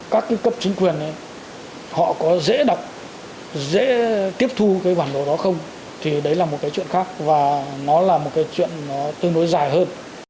các cái cấp chính quyền họ có dễ đọc dễ tiếp thu cái bản đồ đó không thì đấy là một cái chuyện khác và nó là một cái chuyện nó tương đối dài hơn